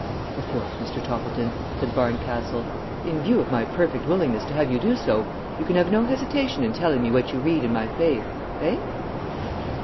"Of course, Mr. Toppleton," said Barncastle, "in view of my perfect willingness to have you do so, you can have no hesitation in telling me what you read in my face. Eh?"